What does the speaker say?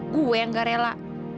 gue yang gak rela